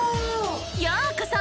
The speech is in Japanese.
ようこそ！